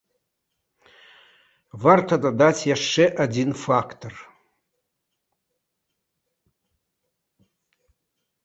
Варта дадаць яшчэ адзін фактар.